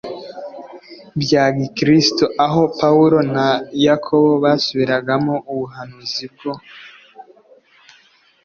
bya gikristo aho Pawulo na Yakobo basubiragamo ubuhanuzi bwo